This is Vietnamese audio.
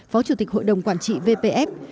phó chủ tịch hội đồng quản trị vpf